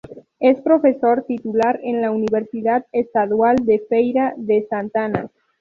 Es profesor Titular en la Universidad Estadual de Feira de Santana.